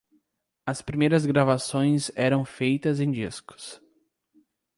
as primeiras gravações eram feitas em discos